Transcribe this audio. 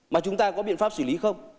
mà chúng ta có biện pháp xử lý không